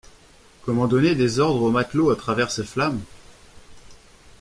Comment donner des ordres aux matelots à travers ces flammes?